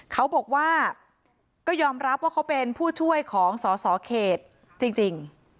เขาบอกว่าก็ยอมรับว่าเขาเป็นผู้ช่วยของสอสอเขตจริง